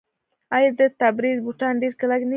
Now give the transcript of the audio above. آیا د تبریز بوټان ډیر کلک نه دي؟